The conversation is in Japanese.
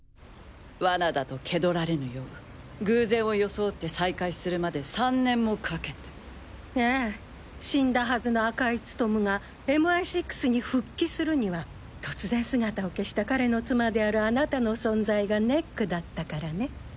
罠だと気取られぬよう偶然を装って再会するまで３年もかけてええ死んだはずの赤井務武がＭＩ６に復帰するには突然姿を消した彼の妻であるあなたの存在がネックだったからね